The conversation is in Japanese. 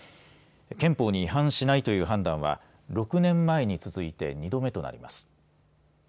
憲法に違反しないという判断は６年前に続いて２度目となります。